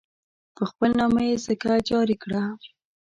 په خپل نامه یې سکه جاري کړه.